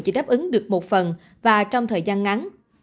chỉ đáp ứng được một phần và trong thời gian ngắn